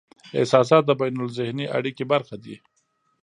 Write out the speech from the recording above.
احساسات د بینالذهني اړیکې برخه دي.